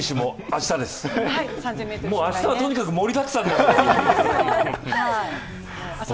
明日はとにかく盛りだくさんなんです。